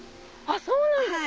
そうなんですか。